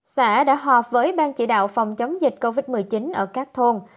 xã đã họp với ban chỉ đạo phòng chống dịch covid một mươi chín ở các thôn